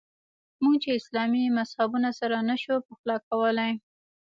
موږ چې اسلامي مذهبونه سره نه شو پخلا کولای.